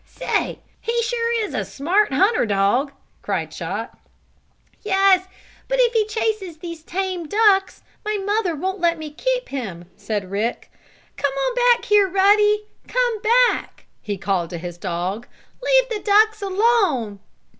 "Say, he sure is a smart hunter dog!" cried Chot. "Yes, but if he chases these tame ducks my mother won't let me keep him," said Rick. "Come on back here, Ruddy! Come back!" he called to his dog. "Leave the ducks alone!"